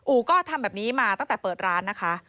ก็ทำแบบนี้มาตั้งแต่เปิดร้านนะคะ